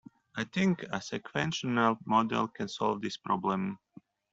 I think a sequential model can solve this problem.